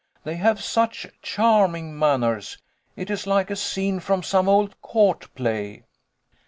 They have such charming manners. It is like a scene from some old court play."